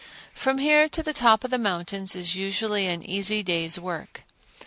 From here to the top of the mountains is usually an easy day's work.